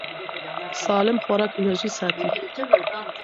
سالم خوراک انرژي ساتي.